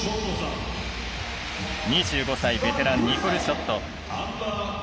２５歳、ベテランニコル・ショット。